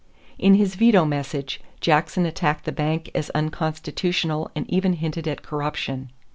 In his veto message, Jackson attacked the bank as unconstitutional and even hinted at corruption.